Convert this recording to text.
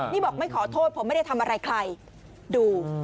นี่บอกไม่ขอโทษผมไม่ได้ทำอะไรใครดู